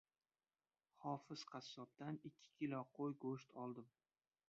Hofiz qassobdan ikki kilo qo‘y go‘sht oldim.